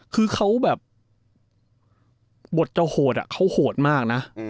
คือเขาแบบบทเจ้าโหดอ่ะเขาโหดมากน่ะอืม